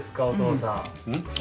お父さん。